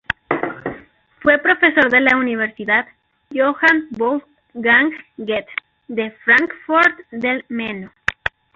Fue profesor de la Universidad Johann Wolfgang Goethe de Fráncfort del Meno.